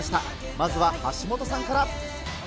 まずは橋本さんから。